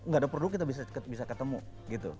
gak ada perlu kita bisa ketemu gitu